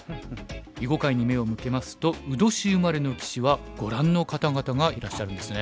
囲碁界に目を向けますと卯年生まれの棋士はご覧の方々がいらっしゃるんですね。